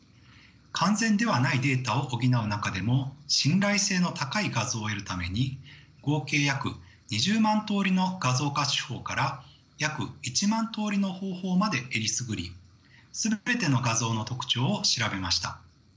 完全ではないデータを補う中でも信頼性の高い画像を得るために合計約２０万通りの画像化手法から約１万通りの方法までえりすぐり全ての画像の特徴を調べました。